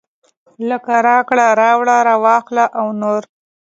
لکه راکړه راوړه راواخله او نور.